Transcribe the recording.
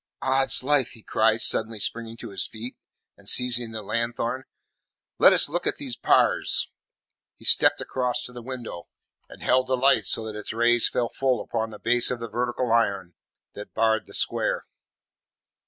Oddslife," he cried, suddenly springing to his feet, and seizing the lanthorn. "Let us look at these bars." He stepped across to the window, and held the light so that its rays fell full upon the base of the vertical iron that barred the square.